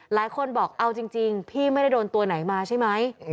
หลายคนบอกเอาจริงพี่ไม่ได้โดนตัวไหนมาใช่ไหม